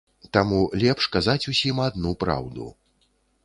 Таму лепш казаць усім адну праўду.